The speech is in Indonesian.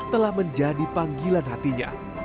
telah menjadi panggilan hatinya